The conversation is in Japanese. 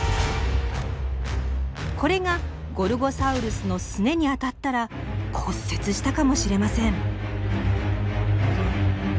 これがゴルゴサウルスのすねに当たったら骨折したかもしれません。